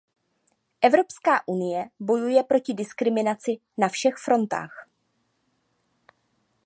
Evropská unie bojuje proti diskriminaci na všech frontách.